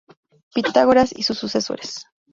Pitágoras y sus sucesores.